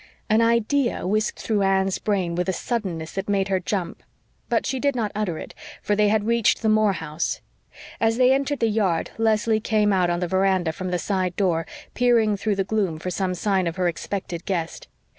An idea whisked through Anne's brain with a suddenness that made her jump. But she did not utter it, for they had reached the Moore house. As they entered the yard Leslie came out on the veranda from the side door, peering through the gloom for some sign of her expected guest.